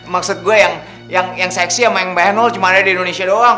maksud gue yang seksi sama yang bhenel cuman ada di indonesia doang